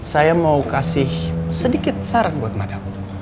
saya mau kasih sedikit saran buat madaku